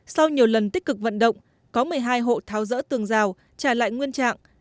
sau nhiều lần tích cực vận động có một mươi hai hộ tháo rỡ tường rào trả lại nguyên trạng